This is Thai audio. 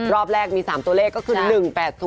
รอบแรกมี๓ตัวเลขก็คือ๑๘๐